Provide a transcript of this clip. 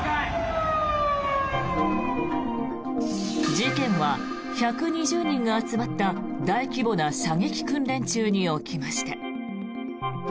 事件は１２０人が集まった大規模な射撃訓練中に起きました。